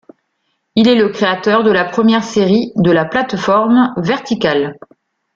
Il est le créateur de la première série de la plateforme Vertical.